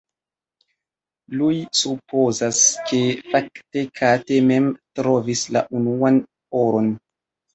Iuj supozas, ke fakte Kate mem trovis la unuan oron.